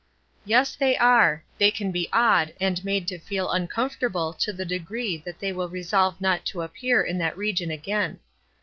"Yes they are; they can be awed, and made to feel uncomfortable to the degree that they will resolve not to appear in that region again.